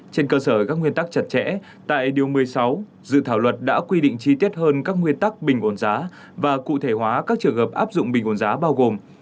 trên cơ sở các nguyên tắc chặt chẽ tại điều một mươi sáu dự thảo luật đã quy định chi tiết hơn các nguyên tắc bình ổn giá và cụ thể hóa các trường hợp áp dụng bình ổn giá bao gồm